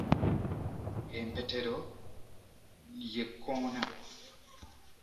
Empetero ly’Ekkoona.